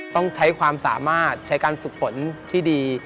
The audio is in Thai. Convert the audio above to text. ต้องใช้ความสามารถใช้การฝึกฝนที่ดี